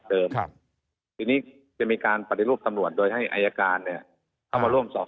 เดิมเนี่ยถ้ามีอายการมาร่วมมือในการตรวจสอบ